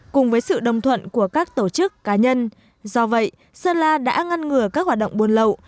cùng với sự đồng thuận của các tổ chức cá nhân do vậy sơn la đã ngăn ngừa các hoạt động buôn lậu